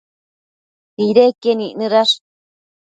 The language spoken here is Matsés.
nidequien icnëdash